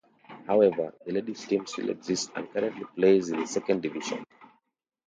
However, the ladies team still exists and currently plays in the Second Division.